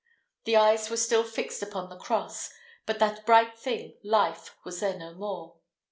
The eyes were still fixed upon the cross, but that bright thing, life, was there no more.